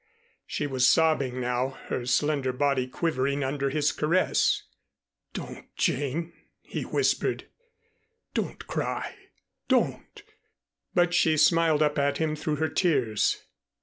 She was sobbing now, her slender body quivering under his caress. "Don't, Jane," he whispered. "Don't cry. Don't!" But she smiled up at him through her tears.